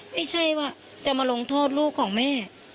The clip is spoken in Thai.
ไม่ใช่ว่าจะมาลงโทษลูกของแม่